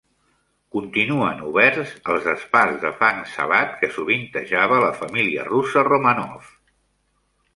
Continuen oberts els spas de fang salat que sovintejava la família russa Romanov.